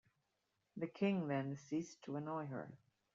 The king then ceased to annoy her.